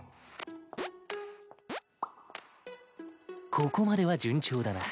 ここまでは順調だな。